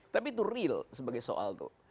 tapi itu real sebagai soal tuh